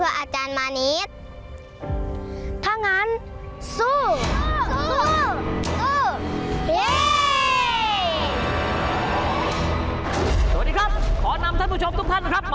เราจะต้องชนะแน่นอนว้าว